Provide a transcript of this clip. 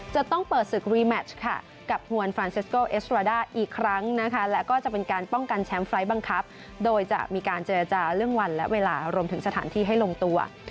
จะต้องเปิดศึกรีแมชค่ะกับฮวนฟรานเซสโกเอสราด้าอีกครั้งนะคะและก็จะเป็นการป้องกันแชมป์ไฟล์บังคับโดยจะมีการเจรจาเรื่องวันและเวลารวมถึงสถานที่ให้ลงตัว